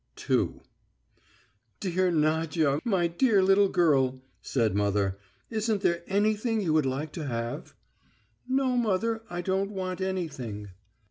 II "Dear Nadya, my dear little girl," said mother; "isn't there anything you would like to have?" "No, mother, I don't want anything."